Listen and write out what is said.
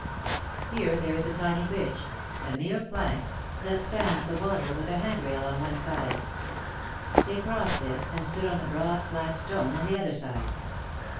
Here there is a tiny bridge — a mere plank — that VOL. III. E 60 spans the water^ with a hand rail on one side. They crossed this,, and stood on the broad flat stone on the other side.